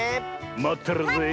まってるぜえ。